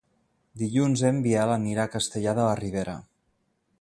Dilluns en Biel anirà a Castellar de la Ribera.